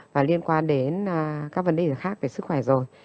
và liên quan đến các vấn đề khác về sức khỏe rồi